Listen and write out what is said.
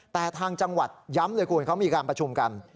แต่ทางจังหวัดย้ำเลยคุณเขามีการประชุมกัน